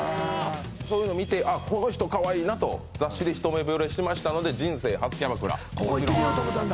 そういうの見てこの人かわいいなと雑誌で一目ぼれしましたので人生初キャバクラここ行ってみようと思ったんだ？